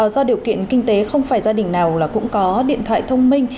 do điều kiện kinh tế không phải gia đình nào là cũng có điện thoại thông minh